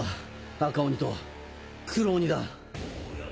赤鬼と黒鬼だ。